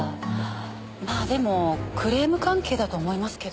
まあでもクレーム関係だと思いますけど。